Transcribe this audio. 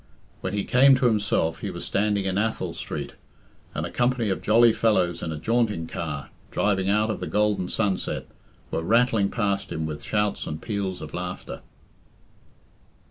When he came to himself, he was standing in Athol Street, and a company of jolly fellows in a jaunting car, driving out of the golden sunset, were rattling past him with shouts and peals of laughter.